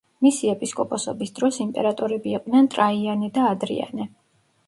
მისი ეპისკოპოსობის დროს იმპერატორები იყვნენ ტრაიანე და ადრიანე.